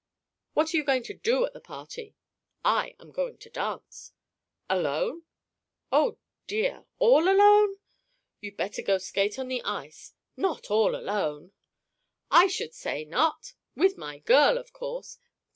What are you going to do at the party?" "I am going to dance." "Alone? O dear! All alone? You'd better go skate on the ice! Not all alone?" "I should say not! With my girl, of course."